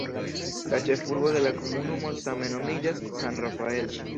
La ĉefurbo de la komunumo same nomiĝas "San Rafael".